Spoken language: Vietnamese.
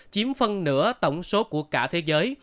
chiếm phân nửa tổng số của cả thế giới